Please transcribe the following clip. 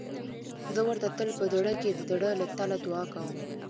زه ورته تل په زړه کې د زړه له تله دعا کوم.